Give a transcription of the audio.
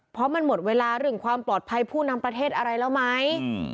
เพราะมันหมดเวลาเรื่องความปลอดภัยผู้นำประเทศอะไรแล้วไหม